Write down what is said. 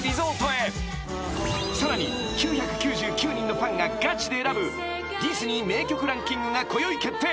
［さらに９９９人のファンがガチで選ぶディズニー名曲ランキングがこよい決定！］